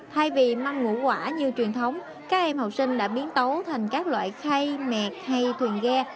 thay vì măng ngũ quả như truyền thống các em học sinh đã biến tấu thành các loại khay mệt hay thuyền ghe